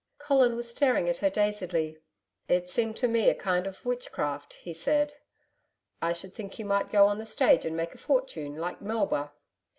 Colin was staring at her dazedly. 'It seemed to me a kind of witchcraft,' he said.... 'I should think you might go on the stage and make a fortune like Melba.'